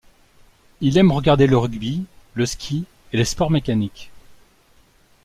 Il aime regarder le rugby, le ski et les sports mécaniques.